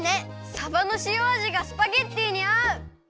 さばのしおあじがスパゲッティにあう！